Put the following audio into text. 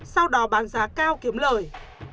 sau đó bàn giá cao kiếm lời